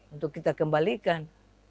untuk kita kembalikan